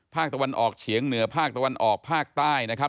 ภาคตะวันออกเฉียงเหนือภาคตะวันออกภาคใต้นะครับ